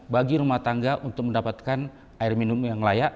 bagi rumah tangga untuk mendapatkan air minum yang layak